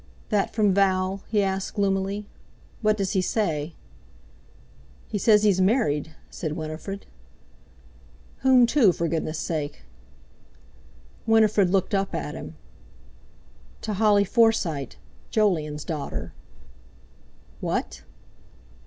"That from Val," he asked gloomily. "What does he say?" "He says he's married," said Winifred. "Whom to, for Goodness' sake?" Winifred looked up at him. "To Holly Forsyte, Jolyon's daughter." "What?"